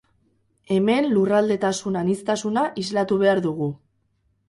Hemen lurraldetasun aniztasuna islatu behar dugu.